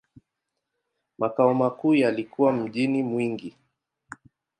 Makao makuu yalikuwa mjini Mwingi.